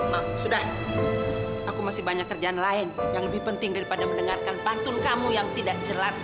ma sudah aku masih banyak kerjaan lain yang lebih penting daripada mendengarkan pantun kamu yang tidak jelas